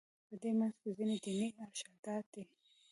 په دې منځ کې ځینې دیني ارشادات دي.